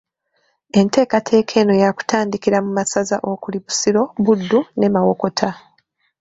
Enteekateeka eno yakutandikira mu masaza okuli Busiro, Buddu ne Mawokota